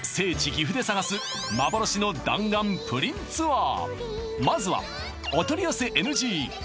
岐阜で探す幻の弾丸プリンツアー